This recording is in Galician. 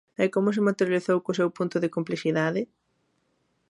E como se materializou co seu punto de complexidade?